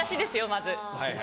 まず。